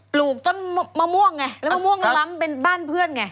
ลูกต้นมะม่วงไงแล้วมะม่วงล้ำเป็นบ้านเพื่อนไง